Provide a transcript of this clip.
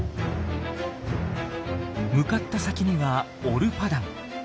向かった先にはオルパダン。